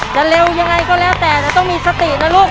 จะเร็วยังไงก็แล้วแต่นะต้องมีสตินะลูก